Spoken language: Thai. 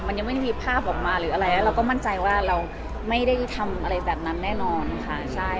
มันยังไม่ได้มีภาพออกมาหรืออะไรแล้วเราก็มั่นใจว่าเราไม่ได้ทำอะไรแบบนั้นแน่นอนค่ะใช่